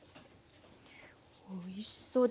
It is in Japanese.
おいしそう！